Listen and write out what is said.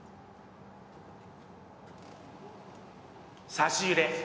差し入れ。